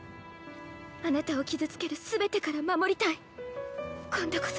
あなたを傷つける全てから守りたい今度こそ。